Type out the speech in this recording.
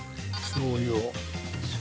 しょう油を。